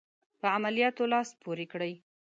په عملیاتو لاس پوري کړي.